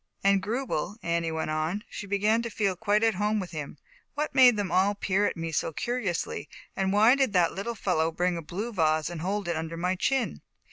"And Grubel," Annie went on, she began to feel quite at home with him, "What made them all peer at me so curiously, and why did that little fellow bring a blue vase and hold it under my chin?